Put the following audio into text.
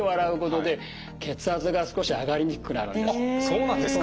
あっそうなんですか！